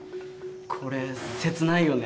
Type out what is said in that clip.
これ切ないよね。